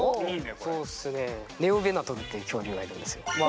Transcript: そうっすねネオヴェナトルという恐竜がいるんですよ。